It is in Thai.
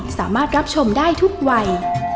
สามารถรับชมได้ทุกวัย